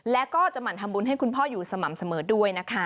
และก็จะหมั่นทำบุญให้คุณพ่ออยู่สม่ำเสมอด้วยนะคะ